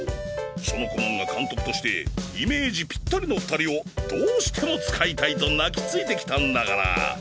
その顧問が監督としてイメージピッタリの２人をどうしても使いたいと泣きついてきたんだから。